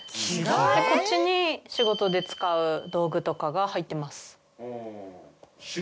でこっちに仕事で使う道具とかが入ってます。